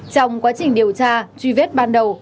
trong quá trình điều tra truy vết ban đầu